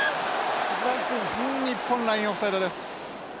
日本ラインオフサイドです。